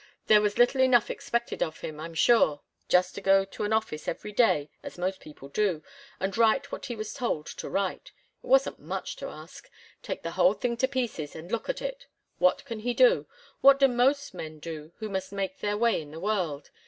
There was little enough expected of him, I'm sure just to go to an office every day, as most people do, and write what he was told to write. It wasn't much to ask. Take the whole thing to pieces and look at it. What can he do? What do most men do who must make their way in the world?